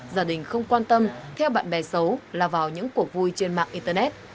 gia đình không quan tâm theo bạn bè xấu là vào những cuộc vui trên mạng internet